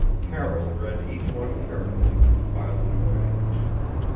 Carroll read each one carefully and filed it away.